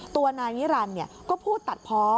ตัวนายนิรันดิ์ก็พูดตัดเพาะ